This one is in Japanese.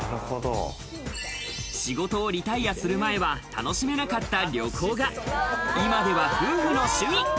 仕事をリタイアする前は楽しめなかった旅行が今では夫婦の趣味。